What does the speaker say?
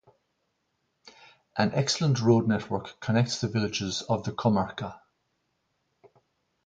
An excellent road network connects the villages of the comarca.